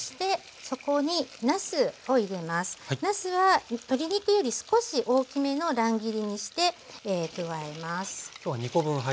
なすは鶏肉より少し大きめの乱切りにして加えます。